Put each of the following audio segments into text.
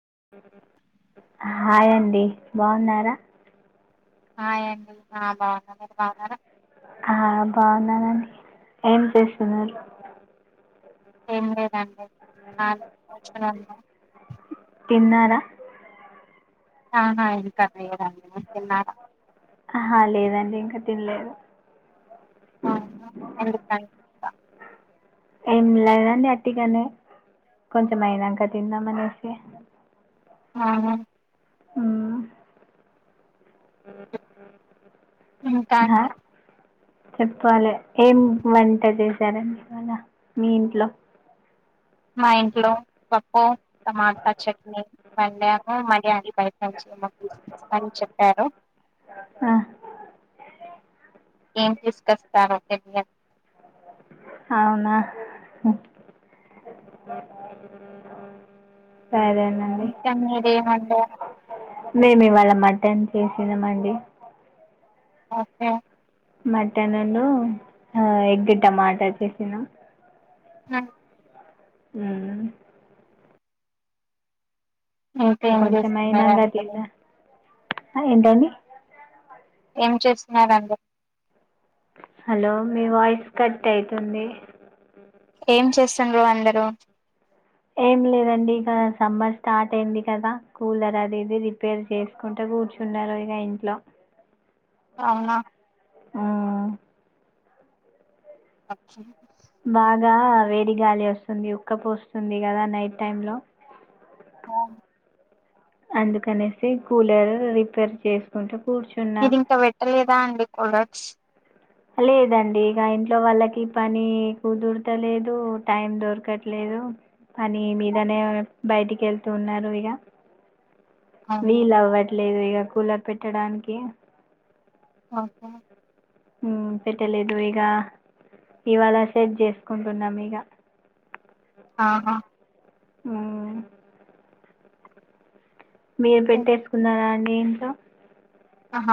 [inaudible] ఆయండి బాగున్నారు మీరు బాగున్నారా ఆ బాగున్నానండి ఏం చేస్తున్నారు ఏం లేదండి ఆ [inaudible] తిన్నార ఆహా ఎది కర్రీ ఆహా లేదండి ఇంకా తిన్ తిన్లేదు అవున ఎందుకన్ త ఏం లేదం అట్గానే కొంచెం అయినాంక తిందామనేసి ఆ మ్మ్ మ్మ్ ఇంకా చెప్పాలి ఏం వంట చేశారండి ఇవాళ మీ ఇంట్లో మా ఇంట్లో పప్పు టమాటా చట్నీ వెందము మరి అన్ని బయటంచియమో తీసు అని చెప్పారు ఆ, డిస్కస్స్తారక అవున మ్మ్ చెప్పండి మీరు ఏం వండారు మేము ఇవాళ మటన్ చేసినామండి ఒకే మటన్లు ఆ ఎగ్ టమాట చేసినాం మ్మ్ మ్మ్ ఇంకేం చేస్తున్నారు అందరు ఎంటండి ఏం చేస్తున్నారు అందరూ హలో మీ వాయిస్ కట్ అయ్యితుంది ఏం చేస్తుండ్రు అందరూ ఏం లేదండి ఇక సమ్మర్ స్టార్ట్ అయ్యింది కదా కూలర్ అది ఇది రిపేర్ చేసుకుంటే కూర్చున్నారు ఇక ఇంట్లో అవునా మ్మ్ [inaudible] బాగా వేడి గాలి వస్తుంది ఉక్కపోస్తుంది కదా నైట్ టైమ్ లో ఆ అందుకనేసి కూలర్ రిపేర్ చేసుకుంటే మీరింకా పెట్టలేదా అండి లక్స్ లేదండి ఇగ ఇంట్లో వాళ్ళకి పని కుదురతలేదు టైం దొరకట్లేదు పని మీదనే బయటికి వెళ్తూ ఉన్నారు ఇగ అవును వీలవ్వట్ లేదు ఇగ కూలర్ పెట్టడానికి ఓకే హ్మ్ పెట్టలేదు ఇగ ఇవాళ సెట్ చేసుకుంటున్నాం ఇగ ఆ హ్మ్ మీరు పెట్టేసుకున్నారా అండి ఏంటో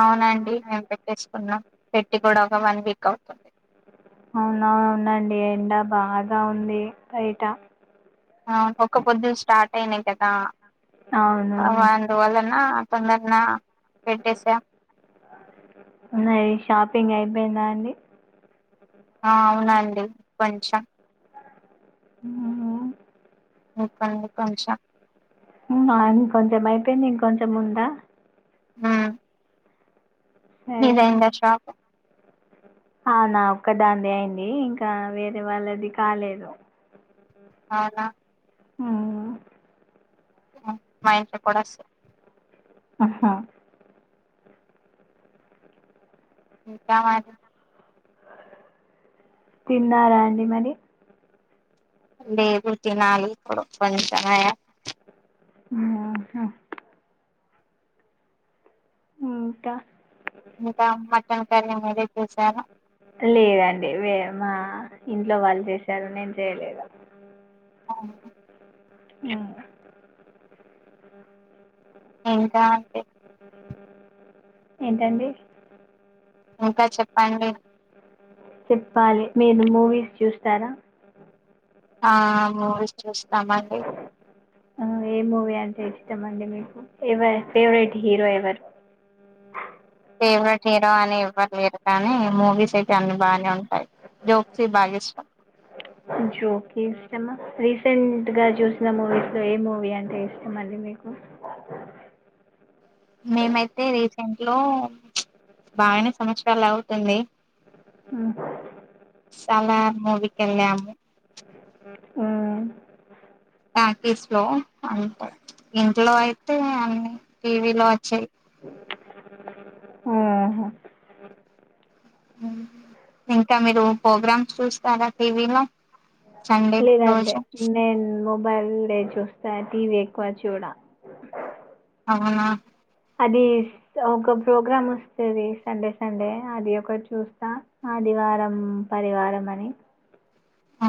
అవునండి మేం పెట్టేసుకున్నాం పెట్టి కూడా ఒక వన్ వీక్ అవుతుంది అవునా అవునండి ఎండ బాగా ఉంది బయట ఒక్క పొద్దులు స్టార్ట్ అయినయి కదా అవును ఆహా అందువలన తొందర్నా నాయి షాప్ పింగ్ అయిపోయిందా అండి ఆ అవునండి కొంచెం అవునా ఇంకుంది కొంచెం ఉందా కొంచెం అయిపోయింది ఇం కొంచెం ఉందా హ్మ్ డిజైన్ ద షాప్ అవునా ఒక్కదాన్ది అయింది ఇంకా వేరే వాళ్ళది కాలేదు అవునా హ్ మా ఇంట్లో కూడా సె ఆహా ఇంకా మరి తిన్నారా అండి మరి లేదు తినాలి ఇప్పుడు కొంచం అయిన ఉహు ఇంక ఇంకా మటన్ కర్రీ మీరేం చేసారు లేదండి వే మా ఇంట్లో వాళ్ళు చేశారు నేను చేయలేదు అవున హ్ ఇంకా అండి ఏంటండి ఇంకా చెప్ చెప్పాలి మీరు మూవీస్ చూస్తారా ఆ మూవీస్ చుస్ స్తామండి టే ఇష్టం అండి మీకు ఎవర్ ఫేవరెట్ హీరో ఎవరు ఫేవరెట్ హీరో అని ఏ వరు లేరు కానీ మూవీస్ అయి ఇక అన్నీ బానే ఉంటాయి జోక్సే బాగా ఇష్టం జోక ఇష్టమా రీసెంట్ గా చూసిన మూవీస్ లో ఏ మూవీ అంటే ఇష్టం అీ మీకు మేమైతే రే ఇంట్లో బాగానే సంవత్సరాలు అవుతుంది అ మూవికందమ్ము ఆ పాటీస్ లో అంట ఇంట్లో అయితే అన్ని టీవీ లో వచ్చాయి ఆ ఇంకా మీరు ప్రోగ్రామ్స్ చూస్తారా టీవీలో సండే ఇదంతే రోజు నేను మబల్ చూస్తా టీవీ ఎక్కువ చూడ అవునా అది ఒక ప్రోగ్రామ్ వస్తుంది సండే సండే అది ఒకటి చూస్తా ఆదివారం పరివారం అని అ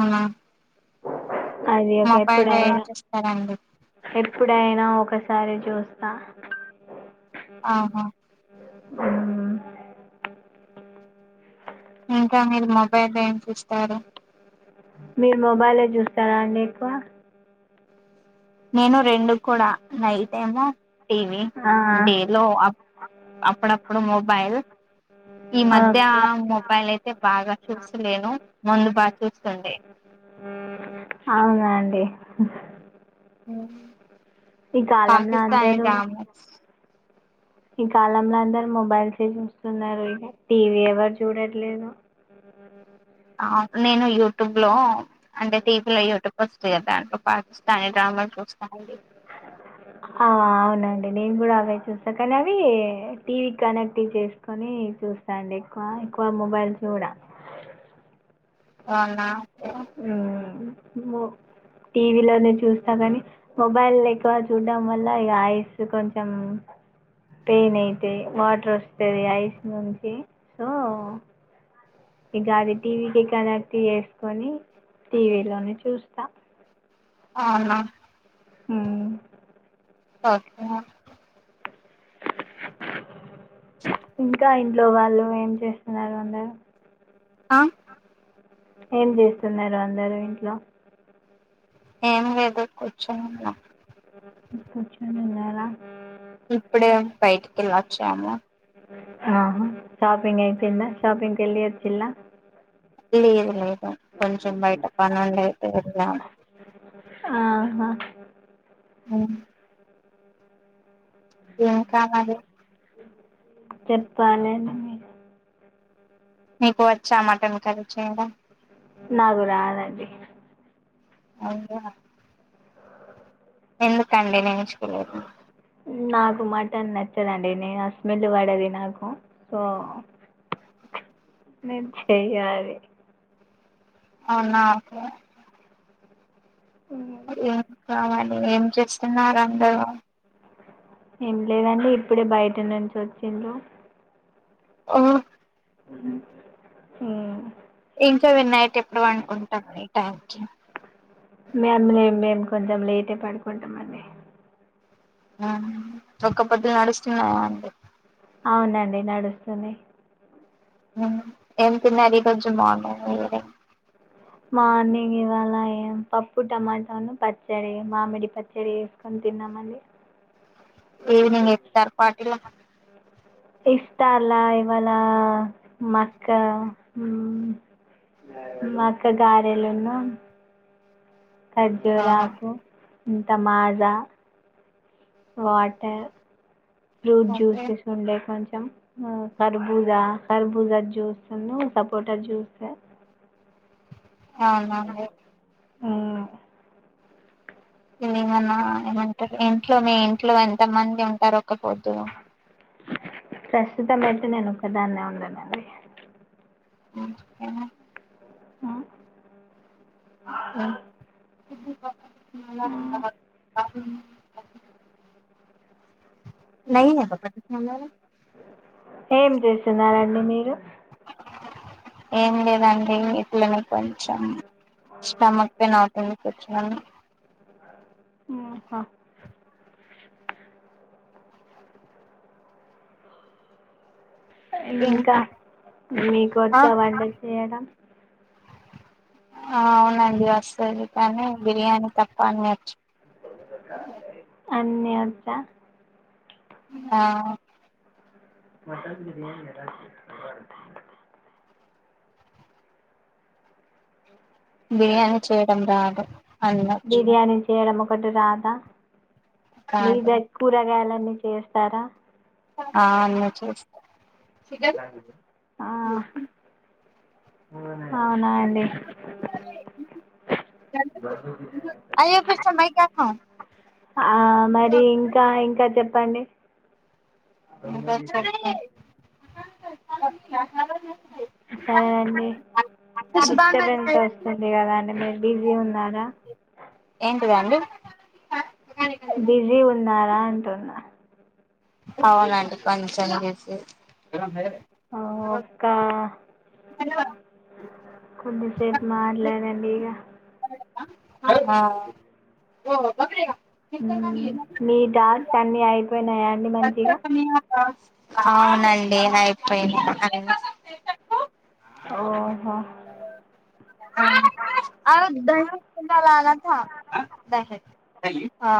అది ఒక ఎప్పుడ చూస్తారండి ఎప్పు ఇప్పుడైనా ఒకసారి చూస్తా ఆహా ఆ ఇంకా మీరు మొబైల్ ఏమ్స్ ఇస్తారు మీరు మొబైల్లో చూస్తారా అండి ఎక్కువ నేను రెండు కూడా నైట్ ఏమో టీవీ ఆ, డేలో అప్పుడప్పుడు మొబైల్ ఈ మధ్య ఓకే మొబైల్ అయితే బాగా చూస్తలేను ముందు బాగా చూస్తుండే అఓ అ ఈ కాలంలో అందరూ ఈ కాలంలో అందరు మొబైల్స్ చూస్తున్నారు ఇక టీవీ ఎవరు చూడట్లేదు ఆ నేను యూట్యూబ్ లో అంటే టీవీ లో యూట్యూబ్ వస్తా పాకిస్తా డ్రామ చడి ఆ అవునండి నేను కూడా అవే చూస్తా కానీ అవి టీవీ కనెక్ట్ చేసుకొని చూస్తాండి ఎక్కువ ఎక్కువ మొబైల్ చూడ అవు ఆ టీవీలోనే చూస్తా కానీ మొబైల్ ఎక్కువ చూడటడం వల్ల ఇక ఐస్ కొంచెం పెయిన్ అయితాయి వాటర్ వస్తుంది ఐస్ నుంచి సో ఇక అది టీవీకి కనెక్ట్ చేసుకొని టీవీలోనే చూస్తా అవునా అ ఓకే ఇంకా ఇంట్లో వాళ్ళు ఏం చేస్తున్నారు అందరు ఆ ఏం చేస్తున్నారు అందరు ఇంట్లో ఏం లేదు కూర్చుని ఉన్నం కూర్చుండినారా ఇప్పుడే బయటికి వెళ్ళొచ్చాము ఆ షాపింగ్ అయిపోయింద షాపింగ్ కి ఎల్లి వొచిల్ల లేదు లేదు కొంచెం బయట పనుండే ఐతే వెళ్ళాం అ ఊ ఏం కాదది చెప్పాలే నువ్ ఇగ మీకు వచ్చా మటన్ కర్రీ చేయడం నాగు రాదది అవునా ఎందు కండి నేర్చ్ తెలీదా టుమాటా నచ్చదండి నేను ఆ స్మెల్లు అవునా ఓకే ఉమ్. మీరేం కావాలి ఏం చేస్తున్నారు అందరూ ఏం లేదండి ఇప్పుడే బయట నుంచి వచ్చిండ్లు ఓ ఊ ఇంట్ల వీర్ నైట్ ఎప్పుడు వండుకుంటర్ ఈ టైం కి మీ అన్నయ్య మేం కొంచెం లేట్ పడుకుంటామండి ఒక్క పొదులు నడుస్తున్నాయా అండి అవునండి నడుస్తుంది ఏం తిన్నారు ఈ రోజు మార్నింగ్ మీరు మార్నింగ్ ఇవాళ ఏం పప్పు టమాటాను పచ్చడి మామిడి పచ్చడి వేసుకొని తిన్నామండి ఈవినింగ్ ఎతరు పాటిల ఇష్టాల ఇవాళ మక్క ఊ మక్క గారెలున్ను ఆహా, కజోరాకు ఇంత మాజ వాటర్ ఫ్రూట్ ఓకే జ్యూసెస్ ఉండే కొంచం ఆ కర్బూజా జ్యూస్ ను సపోటా జ్యూసు అవున ఊ ఇమన్నా ఏమంటారు ఇంట్లోనే ఇంట్లో ఎంత మంది ఉంటారు ఒకపొద్దు ప్రస్తుతం అయితే నేను ఒక్కదాన్నే ఉన్ననండి ఉమ్, ఓకేనా. ఆ ఆనంద్ ఇ [inaudible] [inaudible] న పప్ప [unintelligible] డి మీరు ఏం లేదండి ఇట్లనే కొంచెం స్టమక్ పెయిన్ అవుతుంది కూర్చున్నాను హ్మ్ ఇంకా మీకొచ్చా వంట చేయడం ఆ అవునండి వస్తది కానీ బిర్యానీ తప్పా అన్నీ వొచ్చు అన్నీ వొచ్చా ఆ మటన్ బిర్యానీి ఎద బిర్యానీ చేయడం రాదు అన్నొచ్చు పటు రాద మీద కాదు కూరాగాల నీ చేస్తారా ఆ అన్ని చేస్త ఆ అవు అవునా అండి ఆ మరి ఇంకా ఇంకా చెప్ ప్పండి బ సర సరే అండి డిస్టబెన్స్ వస్తుంది కదా అండి మీరు బిజీ ఉన్నారా ఏంటిదండి బిజీ ఉన్నారా అంటున్నా అవునండి కొంచం బిజీ ఒక్క హలో ఉందిలే సేపు మాట్లాడండి ఇగా ఓహ బక హ్మ్ మీద సని అయి పొయినాయా అండి మంచిగా అవునండి అయిపోయినయ్ అన్ని ఓహో ఆ ఆడదన్ చెప్ తలా అలా బహ